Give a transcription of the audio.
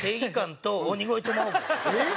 えっ？